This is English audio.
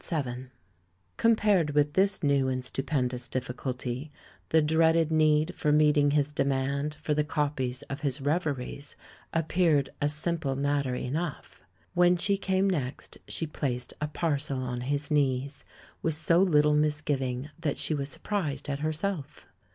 VII Compared with this new and stupendous dif ficulty, the dreaded need for meeting his demand for the copies of his Reveries appeared a simple matter enough. When she came next, she placed a parcel on his knees with so little misgiving that she was surprised at herself.